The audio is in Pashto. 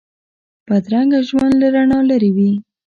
بدرنګه ژوند له رڼا لرې وي